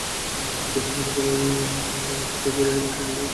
দুই দিকে সারি সারি সাজানো দোকানগুলোতে ধীরে ধীরে মানুষের ভিড় বাড়তে লাগল।